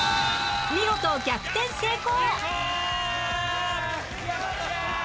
見事逆転成功！